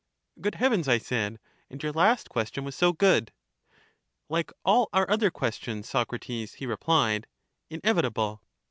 Good heavens, I said; and your last question was so good ! Like all our other questions, Socrates, he replied, — inevitable.